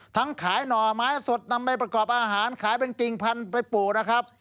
ขายหน่อไม้สดนำไปประกอบอาหารขายเป็นกิ่งพันธุ์ไปปลูกนะครับ